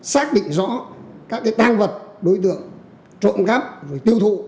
xác định rõ các tăng vật đối tượng trộm cấp tiêu thụ